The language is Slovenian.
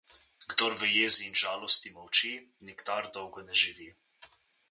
Kdor v jezi in žalosti molči, nikdar dolgo ne živi.